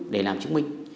để làm chứng minh